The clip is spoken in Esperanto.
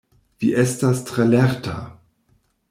Vi estas tre lerta!